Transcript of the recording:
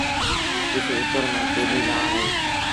ڏس اُتر مآݩ ڪيڏيٚ لآڻ اهي۔